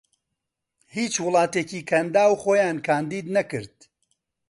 هیچ وڵاتێکی کەنداو خۆیان کاندید نەکرد